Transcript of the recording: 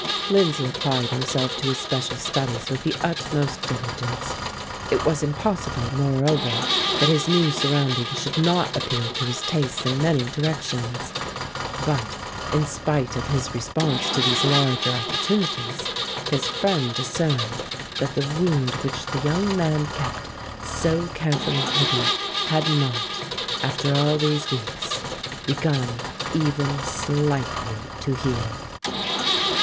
Lindsay applied himself to his special studies with the utmost diligence. It was impossible, moreover, that his new surroundings should not appeal to his tastes in many directions; but in spite of his response to these larger opportunities, his friend discerned that the wound which the young man kept so carefully hidden had not, after all these weeks, begun even slightly to heal.